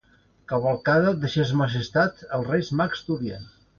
Cavalcada de Ses Majestats els Reis Mags d'Orient.